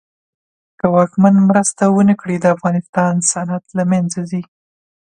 که واکمن مرسته ونه کړي د افغانستان صنعت له منځ ځي.